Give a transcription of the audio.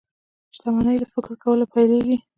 شتمني له فکر کولو پيلېږي.